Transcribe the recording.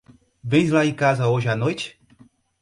Vens lá a casa hoje à noite?